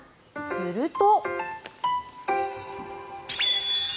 すると。